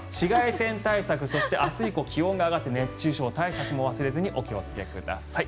紫外線対策そして明日以降、気温も上がって熱中症対策も忘れずにお気をつけください。